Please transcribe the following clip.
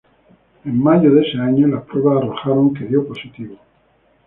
En mayo de ese año, las pruebas arrojaron que dio positivo.